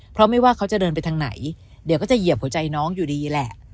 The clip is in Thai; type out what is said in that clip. เพราะไม่ว่าเขาจะเดินไปทางไหนเดี๋ยวก็จะเหยียบหัวใจน้องอยู่ดีแหละ